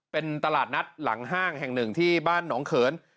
เป็นตลาดนัดหลังห้างแห่งหนึ่งที่บ้านหนองเขิน